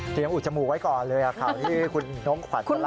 เตรียมอุดจมูกไว้ก่อนเลยค่ะที่คุณโน้มฮวัตน์จะเล่า